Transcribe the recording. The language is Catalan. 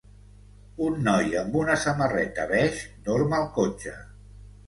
un noi amb una samarreta beix dorm al cotxe.